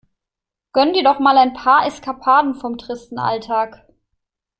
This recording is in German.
Gönn mir doch mal ein paar Eskapaden vom tristen Alltag!